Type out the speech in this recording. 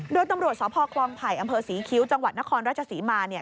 โดยตำรวจสพคลองไผ่อำเภอศรีคิ้วจังหวัดนครราชศรีมา